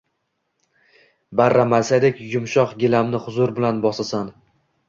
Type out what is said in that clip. Barra maysadek yumshoq gilamni huzur bilan bosasan